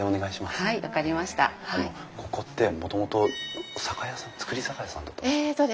あのここってもともと酒屋さん造り酒屋さんだったんですか？